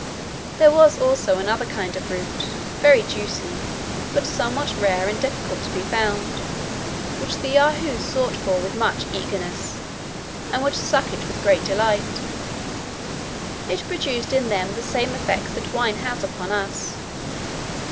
"There was also another kind of root, very juicy, but somewhat rare and difficult to be found, which the Yahoos sought for with much eagerness, and would suck it with great delight; it produced in them the same effects that wine has upon us.